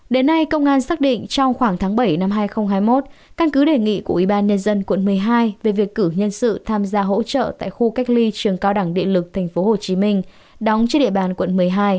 đến nay công an xác định trong khoảng tháng bảy năm hai nghìn hai mươi một căn cứ đề nghị của ubnd quận một mươi hai về việc cử nhân sự tham gia hỗ trợ tại khu cách ly trường cao đẳng điện lực tp hcm đóng trên địa bàn quận một mươi hai